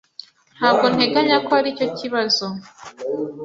Ntabwo nteganya ko aricyo kibazo.